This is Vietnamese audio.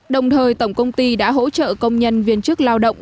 đồng thời tổng công ty đã hỗ trợ công nhân viên chức lao động